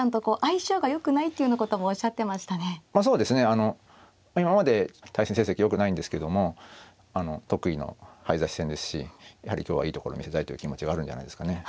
あの今まで対戦成績よくないんですけども得意の早指し戦ですしやはり今日はいいところを見せたいという気持ちがあるんじゃないですかね。